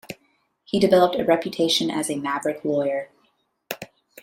He developed a reputation as a maverick lawyer.